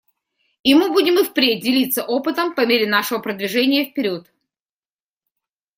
И мы будем и впредь делиться опытом по мере нашего продвижения вперед.